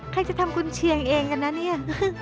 ใครจะทำคุณเชียงเองกันนะเนี่ย